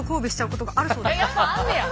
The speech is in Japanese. やっぱあんねや！